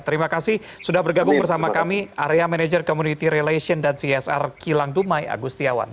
terima kasih sudah bergabung bersama kami area manager community relations dan csr kilang dumai agustiawan